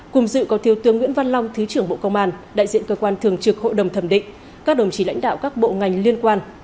cùng dự có thiếu tướng nguyễn văn long thứ trưởng bộ công an đại diện cơ quan thường trực hội đồng thẩm định các đồng chí lãnh đạo các bộ ngành liên quan